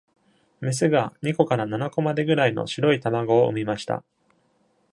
メスが二個から七個までぐらいの白い卵を産みました。